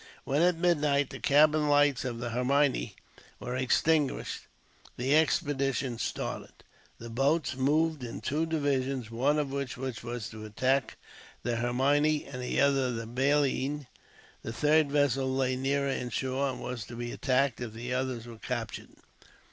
When, at midnight, the cabin lights of the Hermione were extinguished, the expedition started. The boats moved in two divisions, one of which was to attack the Hermione, the other the Baleine. The third vessel lay nearer in shore, and was to be attacked if the others were captured.